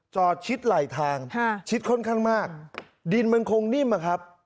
ชิดไหลทางชิดค่อนข้างมากดินมันคงนิ่มอะครับ